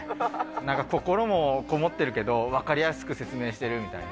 なんか心も込もってるけど、分かりやすく説明してるみたいな。